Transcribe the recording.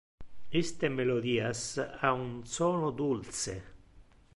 Iste melodias ha un sono dulce.